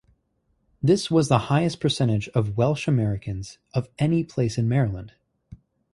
This was the highest percentage of Welsh Americans of any place in Maryland.